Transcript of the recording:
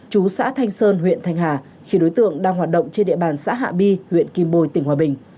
chú xã thanh sơn huyện thanh hà khi đối tượng đang hoạt động trên địa bàn xã hạ bi huyện kim bồi tỉnh hòa bình